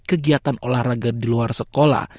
kegiatan olahraga di luar sekolah